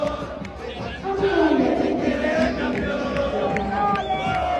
Ankaŭ la irisoj estas blankaj.